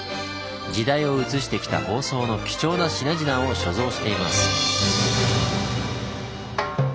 時代を映してきた放送の貴重な品々を所蔵しています。